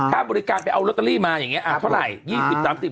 บริการไปเอาลอตเตอรี่มาอย่างนี้เท่าไหร่